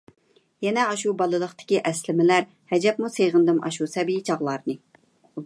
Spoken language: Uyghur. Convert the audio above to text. يەنە ئاشۇ بالىلىقتىكى ئەسلىمىلەر، ھەجەپمۇ سېغىندىم ئاشۇ سەبىي چاغلارنى...